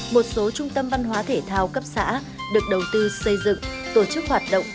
một số trung tâm văn hóa thể thao cấp xã được đầu tư xây dựng tổ chức hoạt động